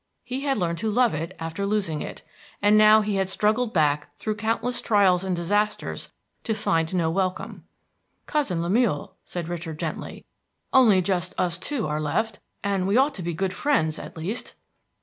He had learned to love it after losing it; and now he had struggled back through countless trials and disasters to find no welcome. "Cousin Lemuel," said Richard gently, "only just us two are left, and we ought to be good friends, at least."